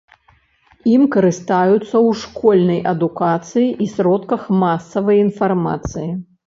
Ім карыстаюцца ў школьнай адукацыі і сродках масавай інфармацыі.